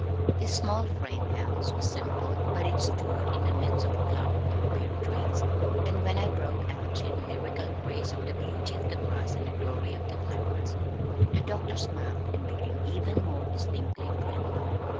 His small frame house was simple, but it stood in the midst of a clump of pear trees, and when I broke out in lyrical praise of the beauty of the grass and glory of the flowers, the doctor smiled and became even more distinctly friendly.